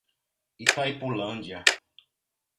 Itaipulândia